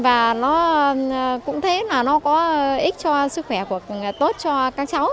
và nó cũng thấy là nó có ích cho sức khỏe tốt cho các cháu